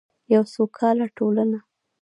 یوه سوکاله ټولنه.